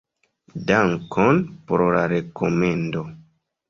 Dankon pro la rekomendo.